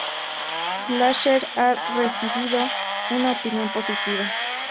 Slasher ha recibido una opinión positiva.